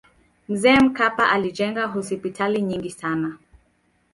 mzee mkapa alijenga hospitali nyingi sana